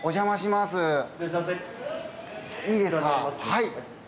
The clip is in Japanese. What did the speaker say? はい。